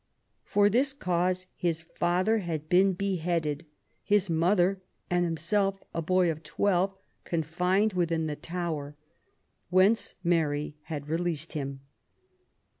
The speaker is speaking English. For this cause his father had been beheaded ; his mother and him self, a boy of twelve, confined within the Tower, whence Mary had released him.